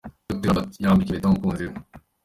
Dr Albert yambika impeta umukunzi we.